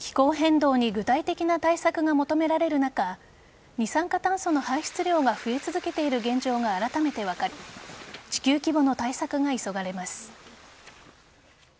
気候変動に具体的な対策が求められる中二酸化炭素の排出量が増え続けている現状があらためて分かり地球規模の対策が急がれます。